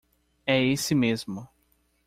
É esse mesmo.